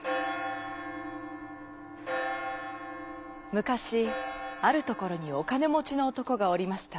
むかしあるところにおかねもちのおとこがおりました。